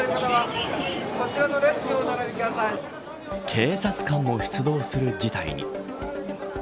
警察官も出動する事態に。